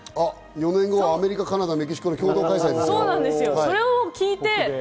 ４年後はアメリカ、カナダ、メキシコの共同開催ですよ。